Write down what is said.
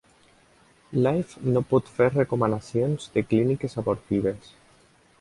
Life no pot fer recomanacions de clíniques abortives.